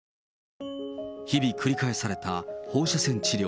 日々、繰り返された放射線治療。